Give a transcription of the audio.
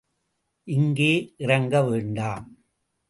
இங்கே இறங்க வேண்டாம்.